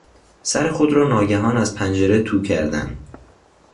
سر خود را ناگهان از پنجره تو کردن